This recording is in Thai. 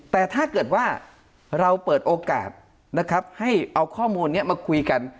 แต่ถ้าเกิดว่าเราเปิดโอกาสนะครับให้เอาข้อมูลนี้มาคุยกัน